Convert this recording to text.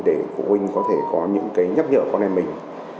để phụ huynh có thể có những cái nhắc nhở con em mình